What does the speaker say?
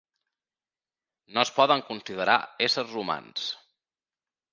No es poden considerar éssers humans.